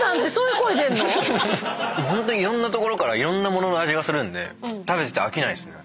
ホントいろんな所からいろんな物の味がするんで食べてて飽きないですね。